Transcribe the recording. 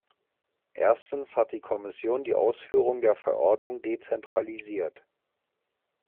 Erstens hat die Kommission die Ausführung der Verordnung dezentralisiert.